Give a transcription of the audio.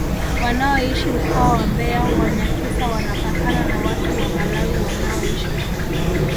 wanaoishi mkoa wa mbeya wanyakyusa wanapakana na watu wa malawi wanaoishi